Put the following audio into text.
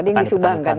tadi yang disubangkan ya